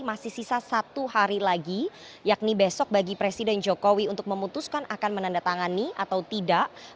masih sisa satu hari lagi yakni besok bagi presiden jokowi untuk memutuskan akan menandatangani atau tidak